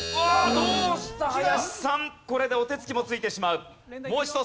これでお手つきもついてしまう。